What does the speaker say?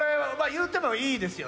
言うてもいいですよ。